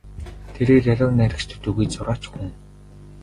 Тэрээр яруу найрагч төдийгүй зураач хүн.